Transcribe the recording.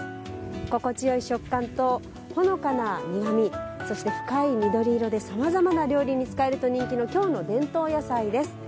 心地よい食感と、ほのかな苦みそして、深い緑色でさまざまな料理に使えると人気の京の伝統野菜です。